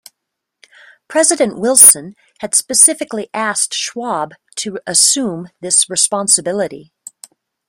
President Wilson had specifically asked Schwab to assume this responsibility.